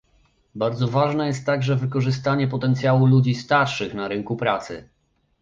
Bardzo ważne jest także wykorzystanie potencjału ludzi starszych na rynku pracy